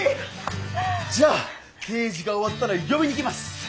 じゃあ定時が終わったら呼びに来ます。